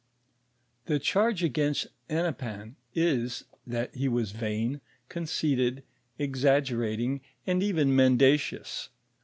The charge against Hennepin is, that he was vain, conceited, exaggerating, and even mendacious.